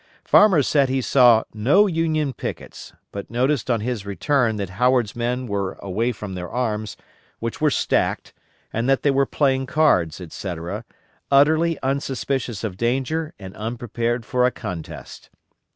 Farmer said he saw no Union pickets, but noticed on his return that Howard's men were away from their arms, which were stacked, and that they were playing cards, etc., utterly unsuspicious of danger and unprepared for a contest.